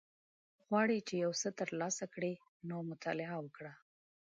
غواړی چی یوڅه تر لاسه کړی نو مطالعه وکړه